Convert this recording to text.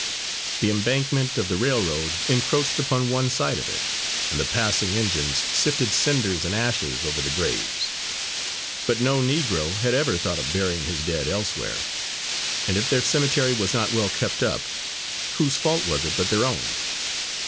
The embankment of the railroad encroached upon one side of it, and the passing engines sifted cinders and ashes over the graves. But no Negro had ever thought of burying his dead elsewhere, and if their cemetery was not well kept up, whose fault was it but their own?